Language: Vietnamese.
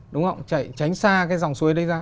đúng không chạy tránh xa cái dòng suối đấy ra